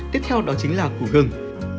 tiếp theo đó chính là củ gừng